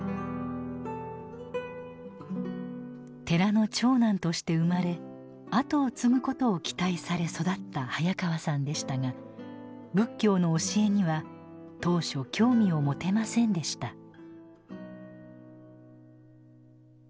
寺の長男として生まれあとを継ぐことを期待され育った早川さんでしたが仏教の教えには当初興味を持てませんでした。